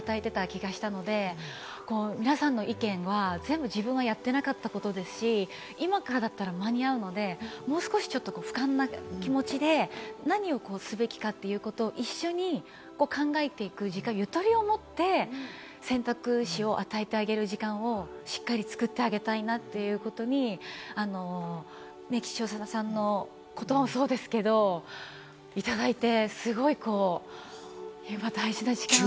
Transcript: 私だけ圧をかけて、ただただ娘に大学に行きなさいというプレッシャーだけを与えてた気がしたので、皆さんの意見は全部自分はやってなかったことですし、今からだったら間に合うので、もう少しちょっと俯瞰な気持ちで何をすべきかということを一緒に考えていく、時間にゆとりを持って、選択肢を与えてあげる時間をしっかり作ってあげたいなということに視聴者さんの言葉もそうですけれども、いただいて、すごい今、大事な時間です。